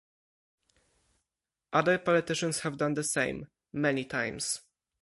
Other politicians have done the same, many times.